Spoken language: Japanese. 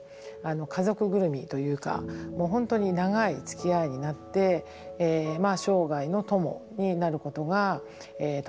家族ぐるみというかもう本当に長いつきあいになってまあ生涯の友になることがとても多いなというふうに思ってます。